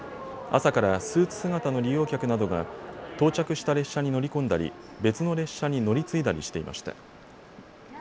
朝からスーツ姿の利用客などが到着した列車に乗り込んだり別の列車に乗り継いだりしていました。